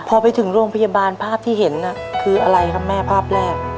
พอไปถึงโรงพยาบาลภาพที่เห็นคืออะไรครับแม่ภาพแรก